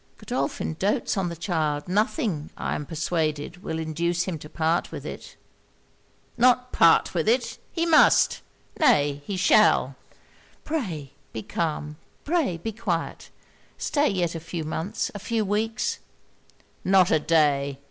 'Godolphin doats on the child. Nothing, I am persuaded, will induce him to part with it.' 'Not part with it? He must, nay he shall!' 'Pray be calm pray be quiet. Stay yet a few months a few weeks.' 'Not a day!